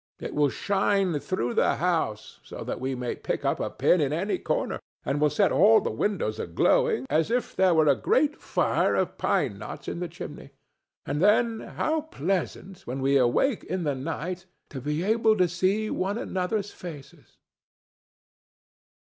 It will shine through the house, so that we may pick up a pin in any corner, and will set all the windows a glowing as if there were a great fire of pine knots in the chimney. And then how pleasant, when we awake in the night, to be able to see one another's faces!"